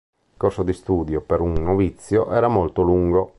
Il corso di studio per un novizio era molto lungo.